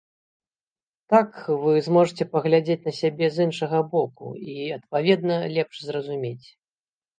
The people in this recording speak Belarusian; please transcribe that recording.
Так вы зможаце паглядзець на сябе з іншага боку, і, адпаведна, лепш зразумець.